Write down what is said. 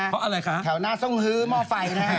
เพราะอะไรคะแถวหน้า